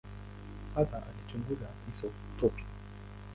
Hasa alichunguza isotopi.